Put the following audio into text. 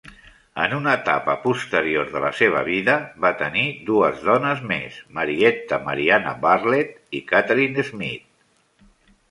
En una etapa posterior de la seva vida, va tenir dues dones més, Marietta Mariana Bartlett i Catherine Smith.